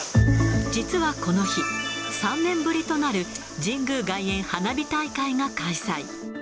実はこの日、３年ぶりとなる神宮外苑花火大会が開催。